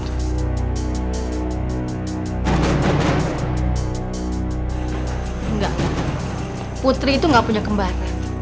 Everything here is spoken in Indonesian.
enggak ma putri itu gak punya kembaran